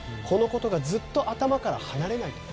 このことがずっと頭から離れない。